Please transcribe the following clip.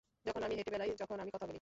যখন আমি হেঁটে বেড়াই, যখন আমি কথা বলি!